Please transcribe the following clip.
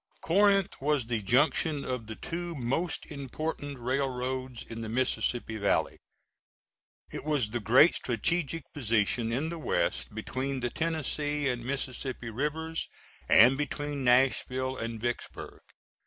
Corinth was the junction of the two most important railroads in the Mississippi Valley. It was the great strategic position in the West between the Tennessee and Mississippi Rivers, and between Nashville and Vicksburg.